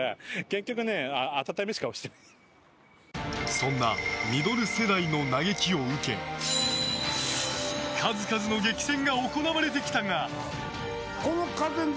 そんなミドル世代の嘆きを受け数々の激戦が行われてきたが。